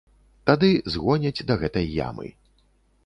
Тады згоняць да гэтай ямы.